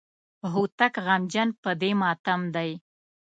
هوتک غمجن په دې ماتم دی.